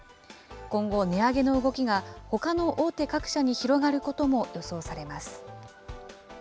今後、値上げの動きがほかの大手各社に広がることも予想されます。